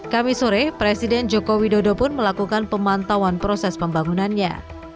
kami sore presiden joko widodo pun melakukan pemantauan proses pembangunannya